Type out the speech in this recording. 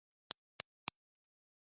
私は宇宙人ですが、あなたは地球人です。